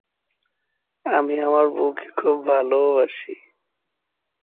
এই অঞ্চলটি চারটি পৃথক ভৌগোলিক অঞ্চল তথা দাদরা, নগর হাভেলি, দমন এবং দিউ তথা দিউ দ্বীপ নিয়ে গঠিত।